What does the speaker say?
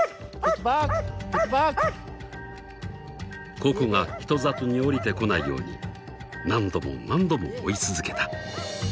［ココが人里に下りてこないように何度も何度も追い続けた］